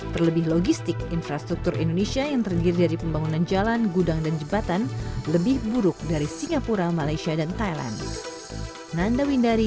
terlebih logistik infrastruktur indonesia yang terdiri dari pembangunan jalan gudang dan jembatan lebih buruk dari singapura malaysia dan thailand